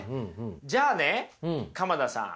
じゃあね鎌田さん